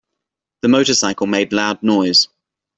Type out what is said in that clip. The motorcycle made loud noise.